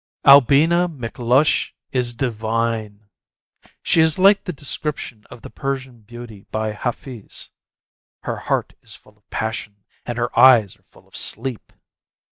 Albina McLush is divine. She is like the description of the Persian beauty by Hafiz: "Her heart is full of passion and her eyes are full of sleep."